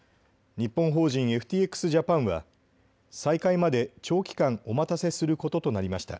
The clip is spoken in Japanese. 日本法人、ＦＴＸジャパンは再開まで長期間お待たせすることとなりました。